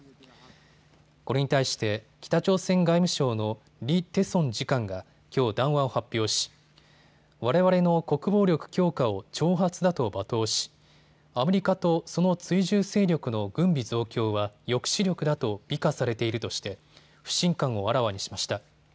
これに対して北朝鮮外務省のリ・テソン次官がきょう談話を発表し、われわれの国防力強化を挑発だと罵倒しアメリカとその追従勢力の軍備増強は抑止力だと美化されているとして不信感をあらわにしました。